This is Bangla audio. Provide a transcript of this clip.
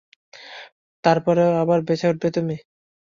তারপরেই আবার বেঁচে উঠবে তুমি।